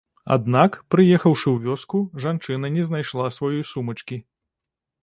Аднак, прыехаўшы ў вёску, жанчына не знайшла сваёй сумачкі.